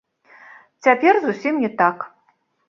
Цяпер зусім не так.